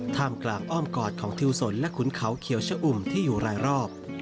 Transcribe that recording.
ท่ามกลางอ้อมกอดของทิวสนและขุนเขาเขียวชะอุ่มที่อยู่รายรอบ